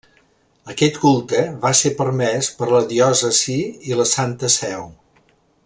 Aquest culte va ser permès per la diòcesi i la Santa Seu.